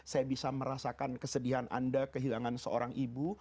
saya bisa merasakan kesedihan anda kehilangan seorang ibu